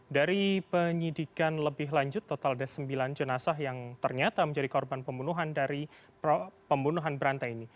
dari penyidikan lebih lanjut total ada sembilan jenazah yang ternyata menjadi korban pembunuhan dari pembunuhan berantai ini